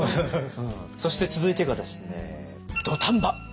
そして続いてがですね「土壇場」。